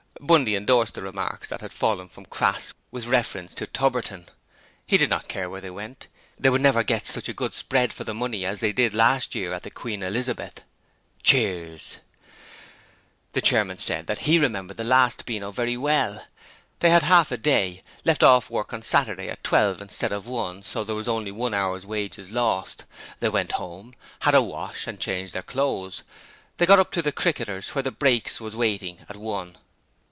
Bundy endorsed the remarks that had fallen from Crass with reference to Tubberton. He did not care where they went, they would never get such a good spread for the money as they did last year at the Queen Elizabeth. (Cheers.) The chairman said that he remembered the last Beano very well. They had half a day left off work on Saturday at twelve instead of one so there was only one hour's wages lost they went home, had a wash and changed their clothes, and got up to the Cricketers, where the brakes was waiting, at one.